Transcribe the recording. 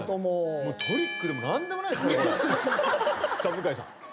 向井さん？